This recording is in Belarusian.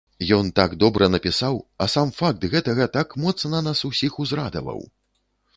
Ён так добра напісаў, а сам факт гэтага так моцна нас усіх узрадаваў!